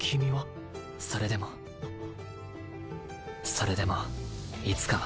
それでもいつかは。